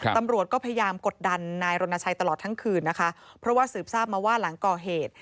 ตำรวจก็พยายามกดดันนายรณชัยตลอดทั้งคืนนะคะเพราะว่าสืบทราบมาว่าหลังก่อเหตุ